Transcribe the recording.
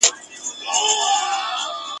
اوس دعا کوی یارانو تر منزله چي رسیږو ..